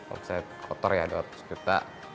omset kotor ya dua ratus juta